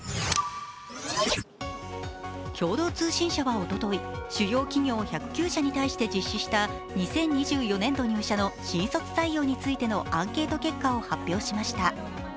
共同通信社はおととい、主要企業１０９社に対して実施した２０２４年度入社の新卒採用についてのアンケート結果を発表しました。